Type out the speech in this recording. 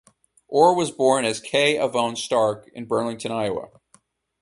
Orr was born as Kay Avonne Stark in Burlington, Iowa.